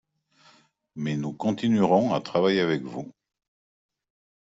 mais nous continuerons à travailler avec vous